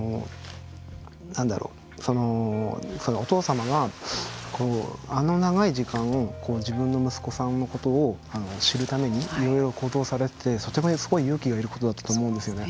お父様があの長い時間自分の息子さんのことを知るためにいろいろ行動されていたのはとてもすごい勇気がいることだと思うんですよね。